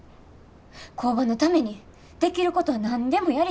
工場のためにできることは何でもやりたい思てる。